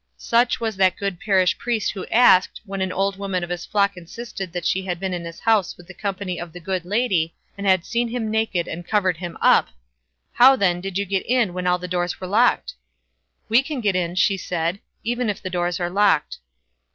Such was that good parish priest who asked, when an old woman of his flock insisted that she had been in his house with the company of "the Good Lady", and had seen him naked and covered him up, "How, then, did you get in when all the doors were locked?" "We can get in," she said, "even if the doors are locked."